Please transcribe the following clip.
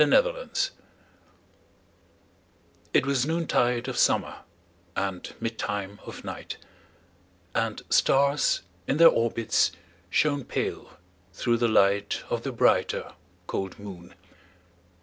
1827 Evening Star 'Twas noontide of summer, And midtime of night, And stars, in their orbits, Shone pale, through the light Of the brighter, cold moon.